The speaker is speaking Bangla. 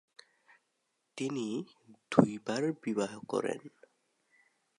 তিনি দুইবার বিবাহ করেন।